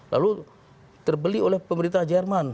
lalu terbeli oleh pemerintah jerman